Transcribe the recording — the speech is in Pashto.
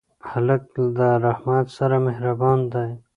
هلک له رحمت سره مهربان دی.